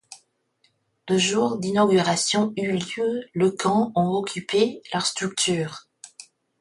Le jour d'inauguration eu lieu le quand ont occupé la structure.